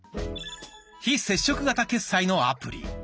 「非接触型決済」のアプリ